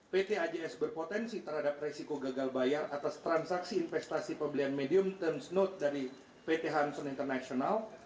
pt ajs berpotensi terhadap resiko gagal bayar atas transaksi investasi pembelian medium terms note dari pt hamson international